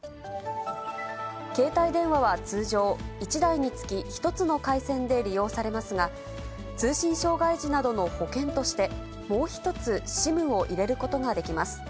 携帯電話は通常、１台につき１つの回線で利用されますが、通信障害時などの保険として、もう一つＳＩＭを入れることができます。